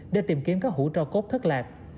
để tìm kiếm các hũ cho cốt thất lạc